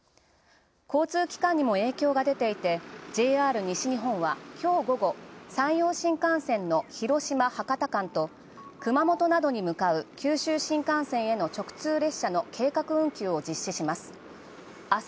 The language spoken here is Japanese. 交通機関にじょじょに影響が出ていてＪＲ西日本はきょう午後、山陽新幹線の広島・博多間と熊本などに向かう九州新幹線の直通列車の計画運休を実施します。